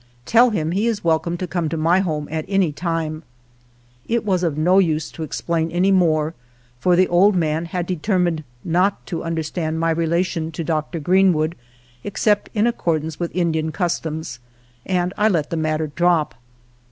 Tell him he is welcome to come to my home at any time." It was of no use to explain any more, for the old man had determined not to understand my rela tion to Dr. Greenwood except in accordance with Indian customs, and I let the matter drop.